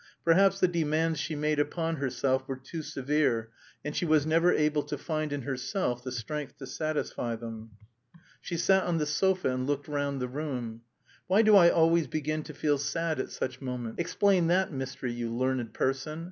Perhaps the demands she made upon herself were too severe, and she was never able to find in herself the strength to satisfy them. She sat on the sofa and looked round the room. "Why do I always begin to feel sad at such moments; explain that mystery, you learned person?